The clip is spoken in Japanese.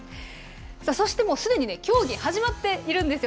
そしてもうすでに、競技、始まっているんですよ。